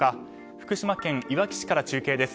福島県いわき市から中継です。